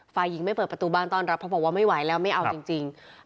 ฝ่ายหญิงไม่เปิดประตูบ้านต้อนรับเพราะบอกว่าไม่ไหวแล้วไม่เอาจริง